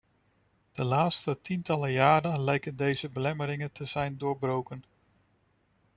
De laatste tientallen jaren lijken deze belemmeringen te zijn doorbroken.